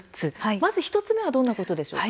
１つ目はどんなことでしょうか？